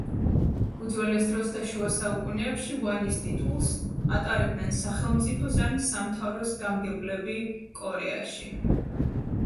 უძველეს დროს და შუა საუკუნეებში ვანის ტიტულს ატარებდნენ სახელმწიფოს ან სამთავროს გამგებლები კორეაში.